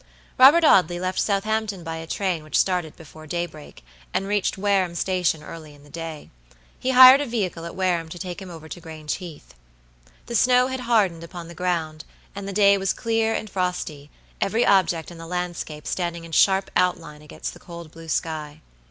Robert Audley left Southampton by a train which started before daybreak, and reached Wareham station early in the day. He hired a vehicle at Wareham to take him over to Grange Heath. The snow had hardened upon the ground, and the day was clear and frosty, every object in the landscape standing in sharp outline against the cold blue sky.